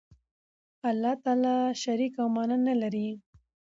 الله تعالی شریک او ماننده نه لری